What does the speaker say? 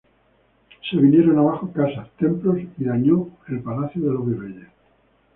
Se vinieron abajo casas, templos y daña el Palacio de los Virreyes.